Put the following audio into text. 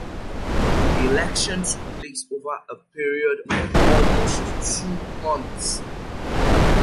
The election took place over a period of almost two months.